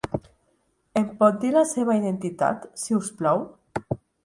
Em pot dir la seva identitat, si us plau?